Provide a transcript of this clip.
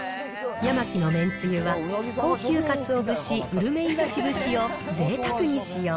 ヤマキのめんつゆは、高級かつお節、うるめいわし節をぜいたくに使用。